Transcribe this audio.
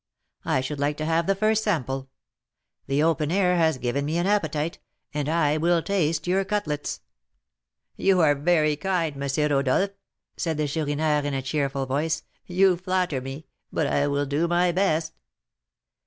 I should like to have the first sample, the open air has given me an appetite, and I will taste your cutlets." "You are very kind, M. Rodolph," said the Chourineur, in a cheerful voice; "you flatter me, but I will do my best."